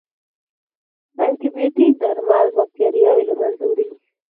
انټيبیوټیک درمل باکتریاوې له منځه وړي.